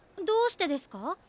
どうしてですか？